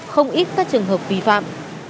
không ít các trường hợp vi phạm